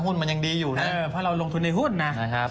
หุ้นมันยังดีอยู่นะเพราะเราลงทุนในหุ้นนะครับ